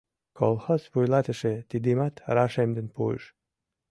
Колхоз вуйлатыше тидымат рашемден пуыш.